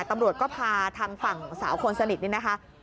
ตำรวจก็พาทางฝั่งสาวคนสนิทนี่นะคะ